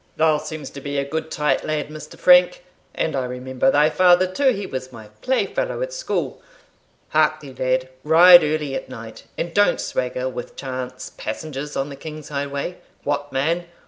"Thou seems to be a good tight lad, Mr. Frank, and I remember thy father too he was my playfellow at school. Hark thee, lad, ride early at night, and don't swagger with chance passengers on the king's highway. What, man!